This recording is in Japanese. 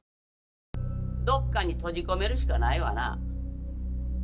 どっかに閉じ込めるしかないわな。